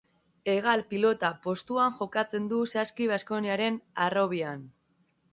Hegal-pibota postuan jokatzen du Saski Baskoniaren harrobian.